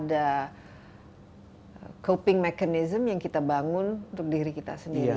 ada coping mechanism yang kita bangun untuk diri kita sendiri